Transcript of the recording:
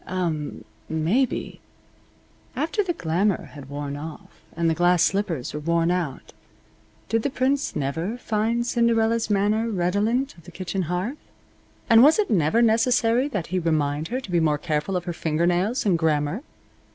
Um m m maybe. After the glamour had worn off, and the glass slippers were worn out, did the Prince never find Cinderella's manner redolent of the kitchen hearth; and was it never necessary that he remind her to be more careful of her finger nails and grammar?